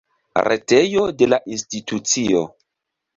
Retejo de la institucio.